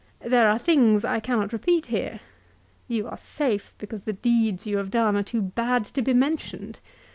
There are things I cannot repeat here. You are safe, because the deeds you have done are too bad to be mentioned.